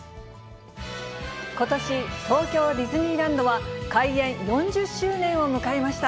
ことし、東京ディズニーランドは、開園４０周年を迎えました。